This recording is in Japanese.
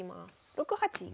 ６八銀。